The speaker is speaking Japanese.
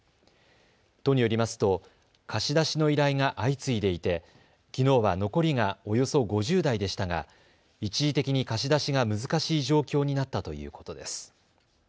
都によりますと貸し出しの依頼が相次いでいてきのうは残りがおよそ５０台でしたが一時的に貸し出しが難しい状況になったということです。